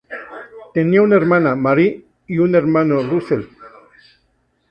Tenía una hermana, Marie, y un hermano, Russell.